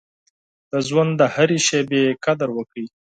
د ژوند د هرې شېبې قدر وکړئ.